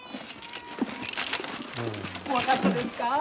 怖かったですか。